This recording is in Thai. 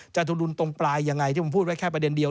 ทุดุลตรงปลายยังไงที่ผมพูดไว้แค่ประเด็นเดียว